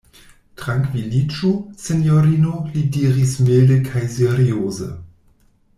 Trankviliĝu, sinjorino, li diris milde kaj serioze.